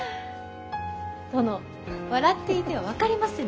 殿笑っていては分かりませぬ。